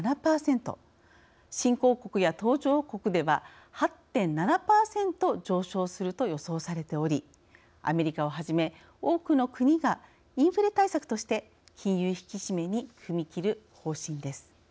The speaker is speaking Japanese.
新興国や途上国では８．７％上昇すると予想されておりアメリカをはじめ多くの国がインフレ対策として金融引き締めに踏み切る方針です。